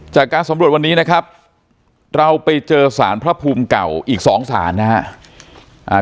จากการสำรวจวันนี้นะครับเราไปเจอสารพระภูมิเก่าอีกสองสารนะครับ